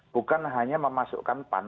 bukan hanya memasukkan pan